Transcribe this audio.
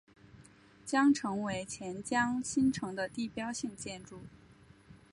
将成为钱江新城的地标性建筑。